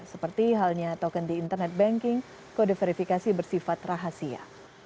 seperti halnya token di internet banking kode verifikasi bersifat rahasia